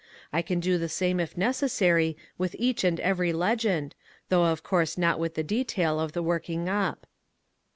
I can do the same if necessary with each and every legend, though of course not with the detail of the working up.